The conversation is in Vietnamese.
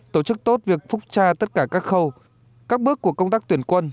tổ chức tốt việc phúc tra tất cả các khâu các bước của công tác tuyển quân